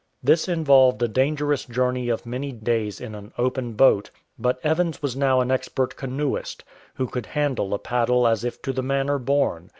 This involved a dangerous journey of many days in an open boat, but Evans was now an expert canoeist, who could handle a paddle as if to the manner born.